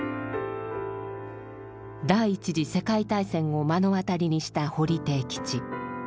第一次世界大戦を目の当たりにした堀悌吉。